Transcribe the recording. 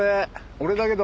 俺だけど。